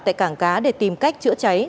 tại cảng cá để tìm cách chữa cháy